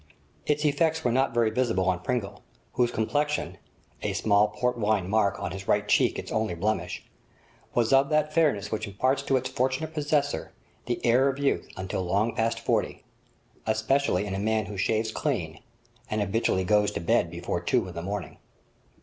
Its effects were not very visible on Pringle, whose complexion (a small port wine mark on his right cheek its only blemish) was of that fairness which imparts to its fortunate possessor the air of youth until long past forty; especially in a man who shaves clean, and habitually goes to bed before two in the morning.